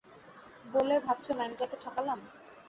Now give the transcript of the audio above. বলে, ভাবছ ম্যানেজারকে ঠকালাম?